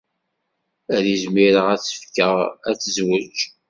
Ad izmireɣ ad tt-fkeɣ ad tezweǧ.